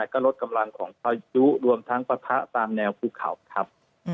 ก็ลดกำลังของพายุรวมทั้งปะทะตามแนวภูเขาครับ